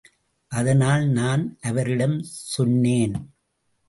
அதனால் நான் அவரிடம் சொன்னேன்.